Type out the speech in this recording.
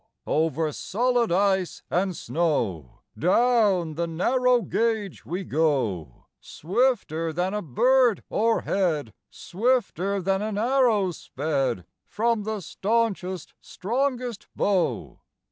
Over solid ice and snow, Down the narrow gauge we go Swifter than a bird o'erhead, Swifter than an arrow sped From the staunchest, strongest bow.